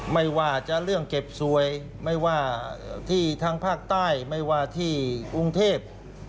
ไม่ว่าเลื่องเก็บสวยที่ทางภาคใต้ที่กรุงเทพฯ